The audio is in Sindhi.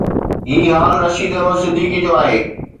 هي حال رشيد احمد صديقي جو آهي.